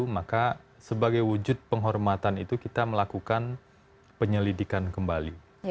maka sebagai wujud penghormatan itu kita melakukan penyelidikan kembali